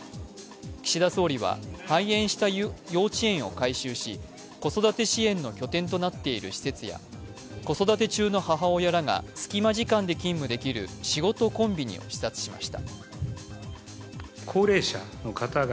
岸田総理は廃園した幼稚園を改修し子育て支援の拠点となっている施設や子育て中の母親らが隙間時間で勤務できるしごとコンビニを視察しました。